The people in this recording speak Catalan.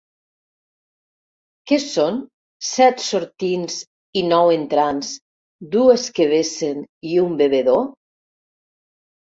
Què són set sortints i nou entrants, dues que vessen i un bevedor?